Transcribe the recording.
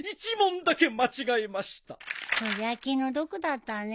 それは気の毒だったね。